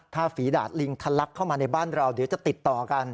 ถ้าฝีดาดลิงทะลักเข้ามาในบ้านเราเดี๋ยวจะติดต่อกัน